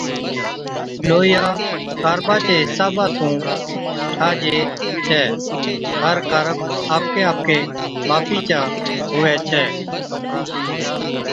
لوئِيا ڪاربا چي حِصابا سُون ٺاهجَي ڇَي۔ هر ڪارب آپڪِي آپڪِي ماپِي چا هُوَي ڇَي۔